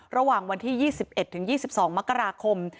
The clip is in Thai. ระหว่างวันที่๒๑๒๒มกราคม